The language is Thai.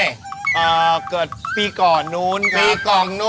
ต้องการปีก่อนโน้นครับ